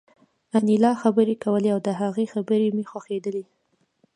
انیلا خبرې کولې او د هغې خبرې مې خوښېدې